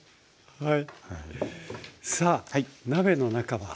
はい。